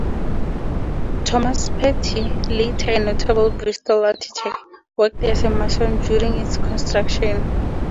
Thomas Paty, later a notable Bristol architect, worked as a mason during its construction.